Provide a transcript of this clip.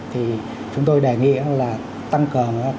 thì chúng tôi đề nghị tăng cường